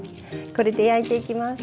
これで焼いていきます。